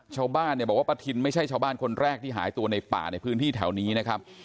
ชาวบ้านเนี่ยบอกว่าประทินไม่ใช่ชาวบ้านคนแรกที่หายตัวในป่าในพื้นที่แถวนี้นะครับ